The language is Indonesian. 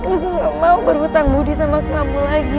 oh gak mau berhutang budi sama kamu lagi